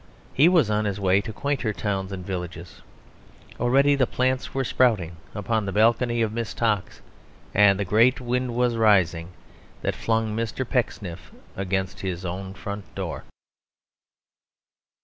He was on his way to quainter towns and villages. Already the plants were sprouting upon the balcony of Miss Tox; and the great wind was rising that flung Mr. Pecksniff against his own front door.